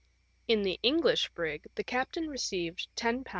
In the English brig, the captain received £10 10s.